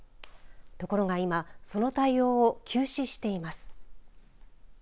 ところが今その対応を休止しています。